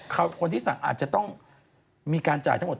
คนที่สั่งอาจจะต้องมีการจ่ายทั้งหมด